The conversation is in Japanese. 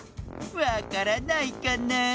わからないかなあ？